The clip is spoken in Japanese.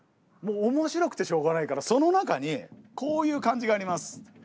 もう面白くてしょうがないからその中にこういう漢字があります。